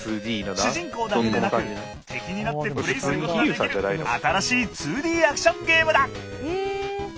主人公だけでなく敵になってプレイすることができる新しい２Ｄアクションゲームだ。